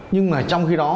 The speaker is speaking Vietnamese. nhưng mà trong khi đó